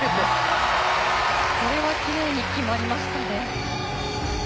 これはきれいに決まりましたね。